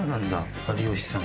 有吉さん。